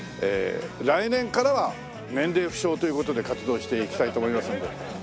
ええ来年からは年齢不詳という事で活動していきたいと思いますんで。